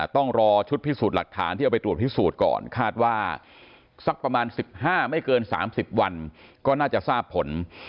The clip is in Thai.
ต้องรอชุดพิสูจน์หลักฐานที่เอาไปตรวจพิสูจน์ก่อนคาดว่าสักประมาณ๑๕ไม่เกิน๓๐วันก็น่าจะทราบผล